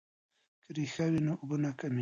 که ریښه وي نو اوبه نه کمیږي.